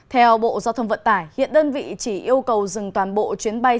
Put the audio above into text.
theo bộ giao thông vận tải hiện đơn vị chỉ yêu cầu dừng toàn bộ chuyến bay